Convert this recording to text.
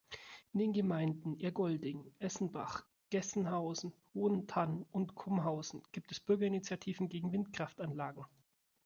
In den Gemeinden Ergolding, Essenbach, Geisenhausen, Hohenthann und Kumhausen gibt es Bürgerinitiativen gegen Windkraftanlagen.